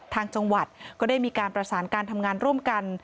ทางจังหวัดก็ได้มีการประสานการทำงานร่วมกัน